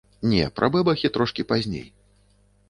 Не, пра бэбахі трошкі пазней.